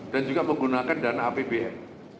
dan juga menggunakan dana apbn